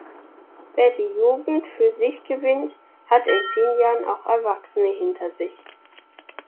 Wer die Jugend für sich gewinnt, hat in zehn Jahren auch Erwachsene hinter sich.